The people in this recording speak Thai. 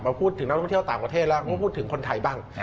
พูดถึงนักท่องเที่ยวต่างประเทศแล้วมาพูดถึงคนไทยบ้าง